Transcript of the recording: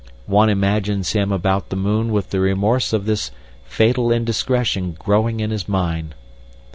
One imagines him about the moon with the remorse of this fatal indiscretion growing in his mind.